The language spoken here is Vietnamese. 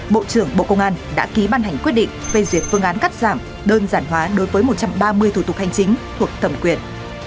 bộ trưởng bộ công an đã ký ban hành quyết định phê duyệt phương án cắt giảm đơn giản hóa đối với một trăm ba mươi thủ tục hành chính thuộc thẩm quyền